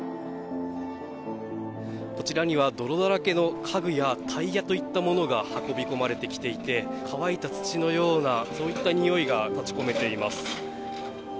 こちらには泥だらけの家具やタイヤといったものが運び込まれてきていて乾いた土のようなそういったにおいが立ち込めています。